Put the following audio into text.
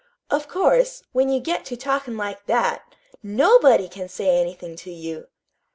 "Of course, when you get to talkin' like that, NOBODY can say anything to you!